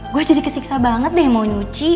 gue jadi kesiksa banget deh mau nyuci